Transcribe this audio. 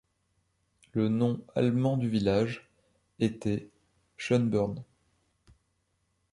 Le nom allemand du village était Schönborn.